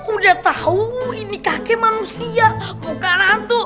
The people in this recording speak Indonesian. udah tahu ini kakek manusia bukan hantu